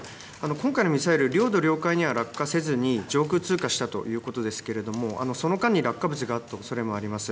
今回のミサイル、領土・領海には落下せずに上空通過したということですけれども、その間に落下物があったおそれもあります。